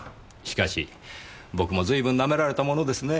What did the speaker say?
しかし僕も随分舐められたものですねぇ。